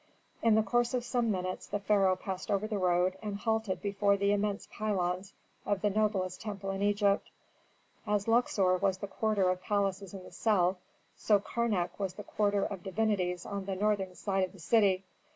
In the course of some minutes the pharaoh passed over the road and halted before the immense pylons of the noblest temple in Egypt. As Luxor was the quarter of palaces in the south, so Karnak was the quarter of divinities on the northern side of the city.